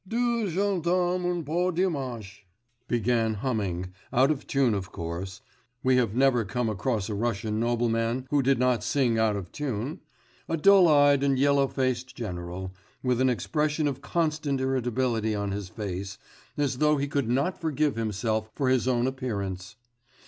'Deux gendarmes un beau dimanche,' began humming out of tune of course, we have never come across a Russian nobleman who did not sing out of tune a dull eyed and yellow faced general, with an expression of constant irritability on his face, as though he could not forgive himself for his own appearance.